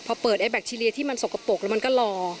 พอเปิดไอแบคทีเรียที่มันสกปรกแล้วมันก็รอ